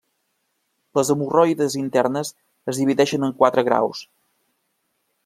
Les hemorroides internes es divideixen en quatre graus.